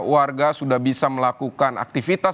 warga sudah bisa melakukan aktivitas